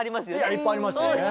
いっぱいありますよね。